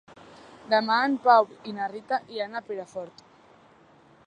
Demà en Pau i na Rita iran a Perafort.